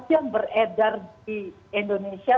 yang beredar di indonesia